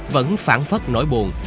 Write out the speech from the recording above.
vẫn phản phất nỗi buồn